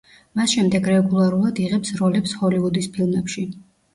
მას შემდეგ რეგულარულად იღებს როლებს ჰოლივუდის ფილმებში.